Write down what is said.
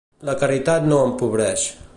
La caritat no empobreix.